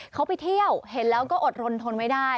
เขาไปเที่ยวเห็นแล้วก็อดรนทนไม่ได้